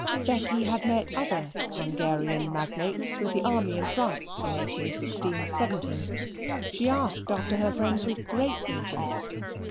Becky had met other Hungarian magnates with the army in France in 1816 17. She asked after her friends with great interest.